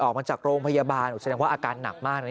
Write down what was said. ออกมาจากโรงพยาบาลอุดสัญญาว่าอาการหนักมาก